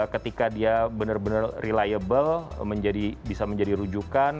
ketika dia benar benar reliable bisa menjadi rujukan